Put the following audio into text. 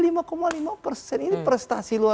ini prestasi luar biasa